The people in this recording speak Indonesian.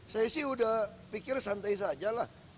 saya sih udah pikir santai saja lah